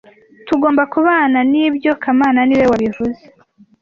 Tugomba kubana nibyo kamana niwe wabivuze